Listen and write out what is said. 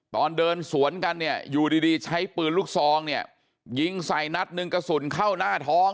ตอนเดินสวนกันเนี่ยอยู่ดีใช้ปืนลูกซองเนี่ยยิงใส่นัดหนึ่งกระสุนเข้าหน้าท้อง